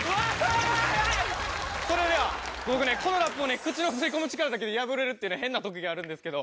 それでは、僕はこのラップを口の吸いこむ力だけで破れるって、変な特技があるんですけど。